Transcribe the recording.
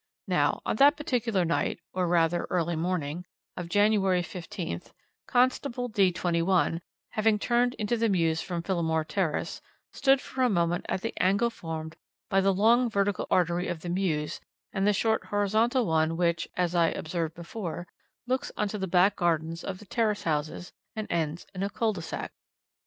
Now, on that particular night, or rather early morning, of January 15th, Constable D 21, having turned into the mews from Phillimore Terrace, stood for a moment at the angle formed by the long vertical artery of the mews and the short horizontal one which, as I observed before, looks on to the back gardens of the Terrace houses, and ends in a cul de sac.